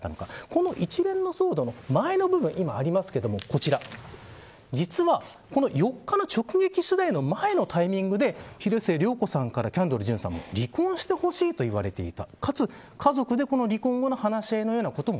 この一連の騒動の前の部分実は、４日の直撃取材の前のタイミングで広末さんからキャンドルさんに離婚してほしいと言われていた。